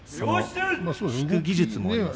引く技術もあります。